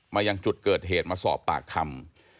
ยังจุดเกิดเหตุมาสอบปากคำ